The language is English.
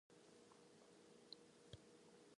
He'll always be my Caliban.